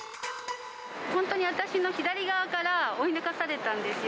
本当に私の左側から追い抜かされたんですよ。